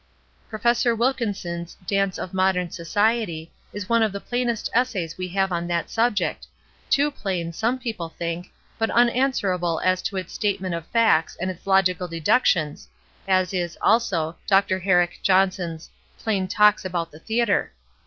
Professor Wilkinson's 'Dance of Modern Society' is one of the plainest essays we have on that subject too plain, some people think, but unanswer able as to its statement of facts and its logical deductions, as is, also. Dr. Herrick Johnson's i'lam Talks about the Theatre.'